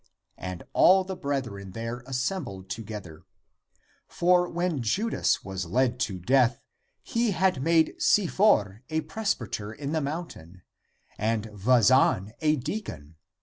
And all the brethren there assembled together. For, when Judas was led to death, he had made Si for a presbyter in the mountain, and Vazan a deacon.